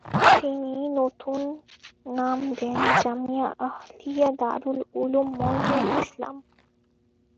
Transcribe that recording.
তিনি নতুন নাম দেন জামিয়া আহলিয়া দারুল উলুম মুঈনুল ইসলাম।